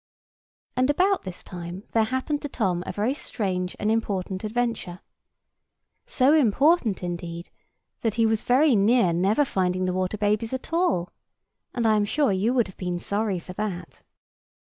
And about this time there happened to Tom a very strange and important adventure—so important, indeed, that he was very near never finding the water babies at all; and I am sure you would have been sorry for that.